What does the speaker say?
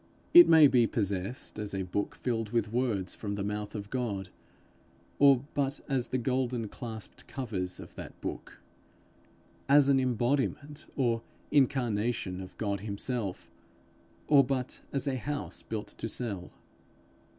It may be possessed as a book filled with words from the mouth of God, or but as the golden clasped covers of that book; as an embodiment or incarnation of God himself; or but as a house built to sell.